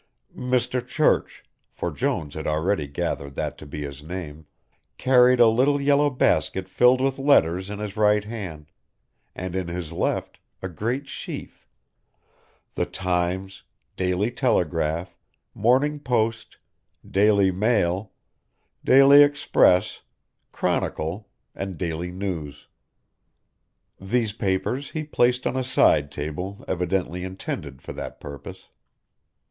Mr. Church, for Jones had already gathered that to be his name, carried a little yellow basket filled with letters in his right hand, and in his left a great sheaf, The Times, Daily Telegraph, Morning Post, Daily Mail, Daily Express, Chronicle, and Daily News. These papers he placed on a side table evidently intended for that purpose.